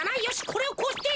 これをこうして。